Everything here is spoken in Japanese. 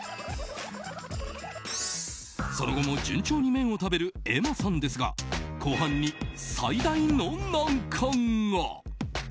その後も順調に麺を食べる瑛茉さんですが後半に最大の難関が！